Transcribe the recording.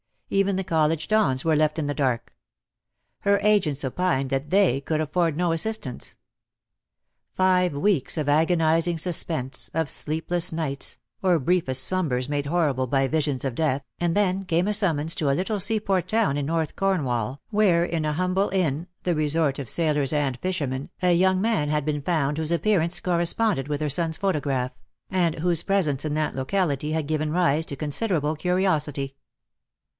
Even the college dons were left in the dark. Her agents opined that they could afford no assistance. Five weeks of agonising suspense, of sleepless nights, or briefest slumbers made horrible by visions of death, and then came a summons to a little seaport town in North Cornwall, where in a humble inn, the resort of sailors and fishermen, a young man had been found whose appearance corresponded with her son's photograph, and whose presence in that locality had given rise to con .siderable curiosity.